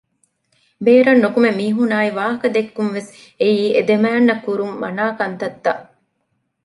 ބޭރަށް ނުކުމެ މީހުންނާއި ވާހަކަ ދެއްކުންވެސް އެއީ އެދެމައިންނަށް ކުރުން މަނާކަންތައްތައް